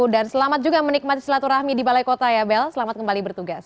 dan selamat juga menikmati selatu rahmi di balai kota ya belle selamat kembali bertugas